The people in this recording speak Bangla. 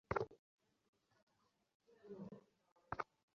রাজা ঈষৎ হাসিয়া বলিলেন, মা, আমি তোমার সন্তান।